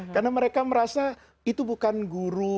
karena mereka merasa itu bukan guru